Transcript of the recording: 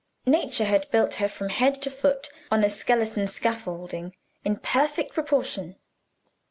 Nature had built her, from head to foot, on a skeleton scaffolding in perfect proportion.